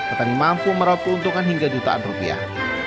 petani mampu meraup keuntungan hingga jutaan rupiah